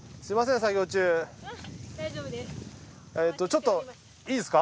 大丈夫ですか？